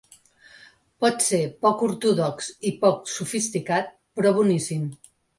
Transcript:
Potser poc ortodox i poc sofisticat, però boníssim.